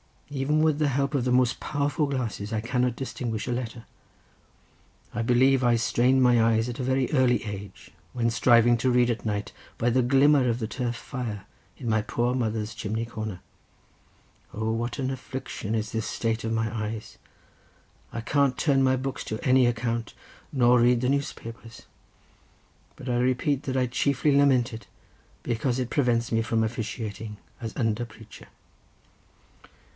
Even with the help of the most powerful glasses I cannot distinguish a letter. I believe I strained my eyes at a very early age, when striving to read at night by the glimmer of the turf fire in my poor mother's chimney corner. O what an affliction is this state of my eyes! I can't turn my books to any account, nor read the newspapers; but I repeat that I chiefly lament it because it prevents me from officiating as under preacher."